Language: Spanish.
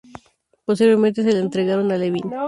Posteriormente, se la entregaron a Levine.